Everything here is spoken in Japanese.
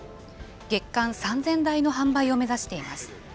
月間３０００台の販売を目指しています。